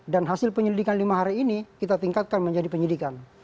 dan hasil penyelidikan lima hari ini kita tingkatkan menjadi penyelidikan